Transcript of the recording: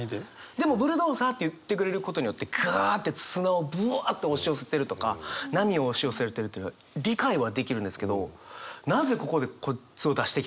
でもブルドーザーって言ってくれることによってガアって砂をブアって押し寄せてるとか波を押し寄せてるという理解はできるんですけどなぜここでこいつを出してきたのか。